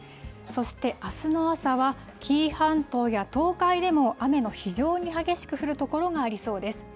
そして、あすの朝は紀伊半島や東海でも雨の非常に激しく降る所がありそうです。